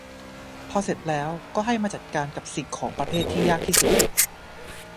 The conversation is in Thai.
พอเสร็จแล้วก็ให้มาจัดการกับสิ่งของประเภทที่ยากที่สุด